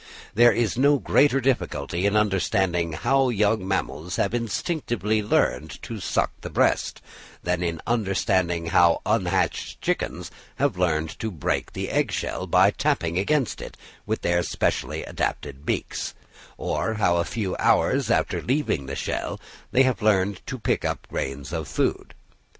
There is no greater difficulty in understanding how young mammals have instinctively learned to suck the breast, than in understanding how unhatched chickens have learned to break the egg shell by tapping against it with their specially adapted beaks; or how a few hours after leaving the shell they have learned to pick up grains of food.